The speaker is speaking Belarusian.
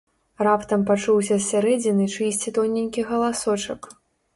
Раптам пачуўся з сярэдзіны чыйсьці тоненькі галасочак: